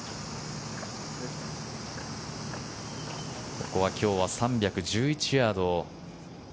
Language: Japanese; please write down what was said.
ここは今日は３１１ヤード。